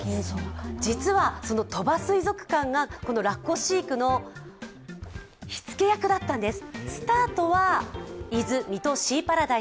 実はその鳥羽水族館がラッコ飼育の火付け役だったんです。